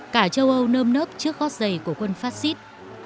cả châu âu nơm nớp trước gót giày của quân fascist